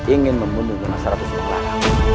ingin membunuh rumah ratu subang larang